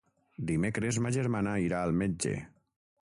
Dimecres ma germana irà al metge.